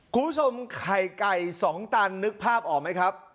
คุณผู้ชมไข่ไก่๒ตันนึกภาพออกไหมครับ